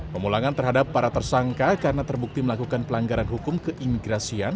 pemulangan terhadap para tersangka karena terbukti melakukan pelanggaran hukum keimigrasian